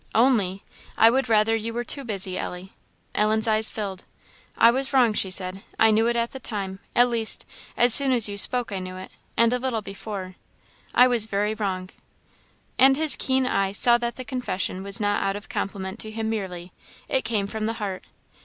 "Only I would rather you were too busy, Ellie." Ellen's eyes filled. "I was wrong," she said "I knew it at the time at least, as soon as you spoke I knew it; and a little before; I was very wrong!" And his keen eye saw that the confession was not out of compliment to him merely; it came from the heart.